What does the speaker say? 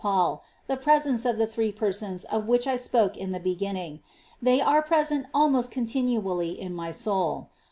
Paul, the presence of the Three Persons of which I spoke in the beginning ;^ They are present almost continually in my soul.